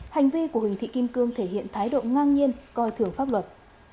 hành vi của huỳnh thị kim cương thể hiện thái độ ngang nhiên coi thường pháp luật